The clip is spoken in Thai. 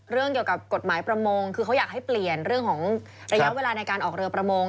เรื่องเกี่ยวกับกฎหมายประมงคือเขาอยากให้เปลี่ยนเรื่องของระยะเวลาในการออกเรือประมง